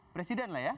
presiden lah ya